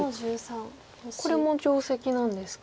これも定石なんですか？